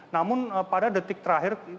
namun pada detik terakhir